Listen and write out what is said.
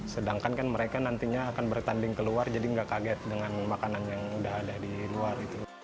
sedangkan kan mereka nantinya akan bertanding keluar jadi nggak kaget dengan makanan yang udah ada di luar